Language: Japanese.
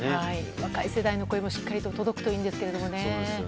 若い世代の声もしっかり届くといいんですけどね。